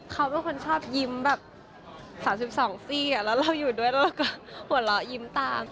เขาไม่ค่อยชอบยิ้มแบบ๓๒ซี่อ่ะแล้วเราอยู่ด้วยแล้วก็หัวเราะยิ้มตาม